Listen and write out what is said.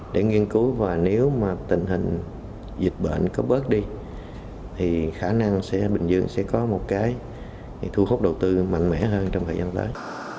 để nghiên cứu và nếu mà tình hình dịch bệnh có bớt đi thì khả năng bình dương sẽ có một cái thu hút đầu tư mạnh mẽ hơn trong thời gian tới